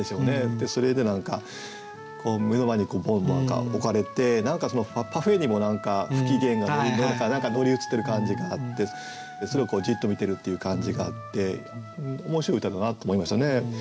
でそれで目の前にボンッなんか置かれてパフェにも何か不機嫌が乗り移ってる感じがあってそれをじっと見てるっていう感じがあって面白い歌だなと思いましたね。